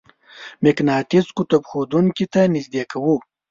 مقناطیس قطب ښودونکې ته نژدې کوو.